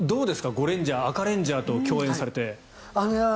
ゴレンジャーのアカレンジャーと共演されて。